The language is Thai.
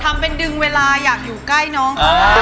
ทำเป็นดึงเวลาอยากอยู่ใกล้น้องเขา